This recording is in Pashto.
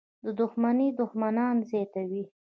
• دښمني دښمنان زیاتوي.